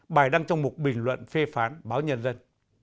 bài đăng trong một bình luận phê phán báo nhân dân